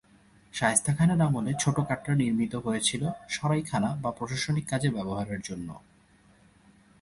শায়েস্তা খানের আমলে ছোট কাটরা নির্মিত হয়েছিল সরাইখানা বা প্রশাসনিক কাজে ব্যবহারের জন্য।